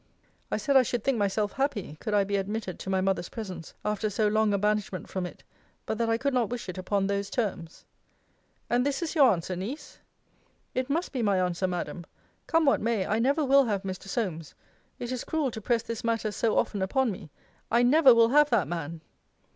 I said, I should think myself happy, could I be admitted to my mother's presence, after so long a banishment from it; but that I could not wish it upon those terms. And this is your answer, Niece? It must be my answer, Madam. Come what may, I never will have Mr. Solmes. It is cruel to press this matter so often upon me. I never will have that man.